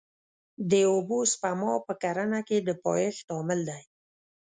د اوبو سپما په کرنه کې د پایښت عامل دی.